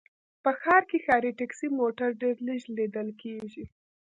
په ښار کې ښاري ټکسي موټر ډېر لږ ليدل کېږي